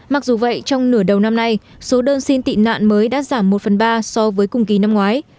mặc dù vậy trong nửa đầu năm nay số đơn xin tị nạn mới đã giảm một phần ba so với cùng kỳ năm ngoái